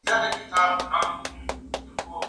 ایا د کانکور ازموینه په شفافه توګه اخیستل کېږي؟